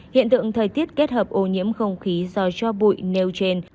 hiện tượng thời tiết kết hợp ô nhiễm không khí do cho bụi nêu trên